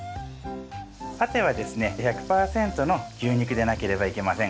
パテはですね１００パーセントの牛肉でなければいけません。